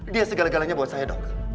dia segala galanya buat saya dok